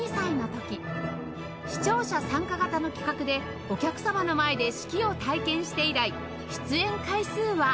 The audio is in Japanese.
視聴者参加型の企画でお客様の前で指揮を体験して以来出演回数は